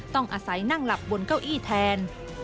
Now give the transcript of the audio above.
ต้องอาศัยนั่งหลับบนเก้าอี้แทน